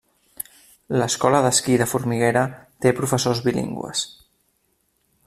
L’Escola d’esquí de Formiguera té professors bilingües.